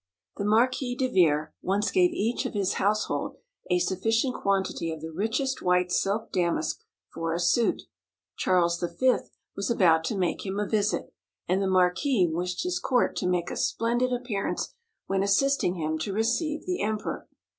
The Marquis de Veere once gave each of his household a sufficient quantity of the richest white silk damask for a suit. Charles V. was about to make him a visit, and the marquis wished his court to make a splendid appearance when assisting him to receive the emperor.